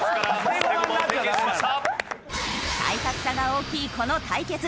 体格差が大きいこの対決。